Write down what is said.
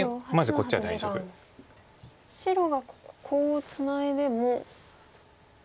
白がコウをツナいでも。